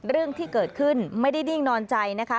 เรื่องที่เกิดขึ้นไม่ได้นิ่งนอนใจนะคะ